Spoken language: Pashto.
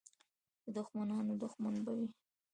د دښمنانو دښمن به وي.